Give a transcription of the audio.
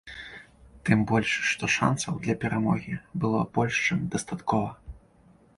Тым больш, што шанцаў для перамогі было больш чым дастаткова.